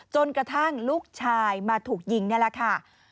จนกระทั่งลูกชายมาถูกยิงนี่แหละค่ะ